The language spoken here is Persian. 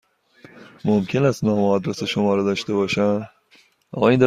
ممکن است نام و آدرس شما را داشته باشم؟